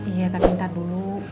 iya ntar ntar dulu